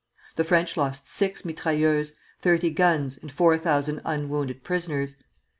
The French lost six mitrailleuses, thirty guns, and four thousand unwounded prisoners.